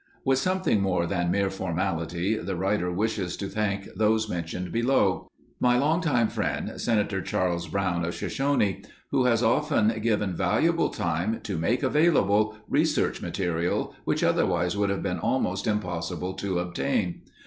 With something more than mere formality, the writer wishes to thank those mentioned below: My longtime friend, Senator Charles Brown of Shoshone who has often given valuable time to make available research material which otherwise would have been almost impossible to obtain.